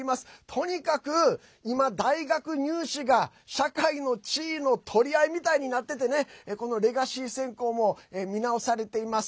とにかく、今、大学入試が社会の地位の取り合いみたいになっててこのレガシー選考も見直されています。